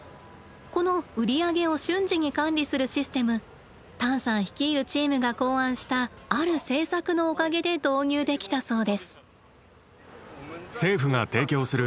この売り上げを瞬時に管理するシステムタンさん率いるチームが考案した「ある政策」のおかげで導入できたそうです。